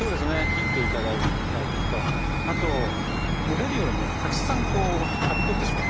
切っていただきたいのとあと群れるようにねたくさんはびこってしまった場合。